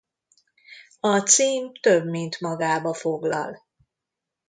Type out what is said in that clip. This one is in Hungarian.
A cím több mindent magába foglal.